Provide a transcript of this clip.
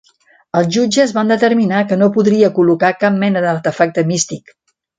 Els jutges van determinar que no podria col·locar cap mena d'artefacte místic.